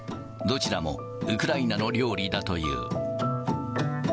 どちらもウクライナの料理だという。